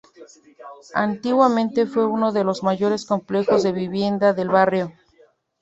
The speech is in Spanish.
Antiguamente fue uno de los mayores complejos de vivienda del barrio.